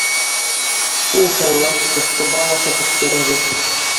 Иншалла, ҡышты бал ашап үткәрәбеҙ!